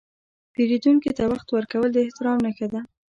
پیرودونکي ته وخت ورکول د احترام نښه ده.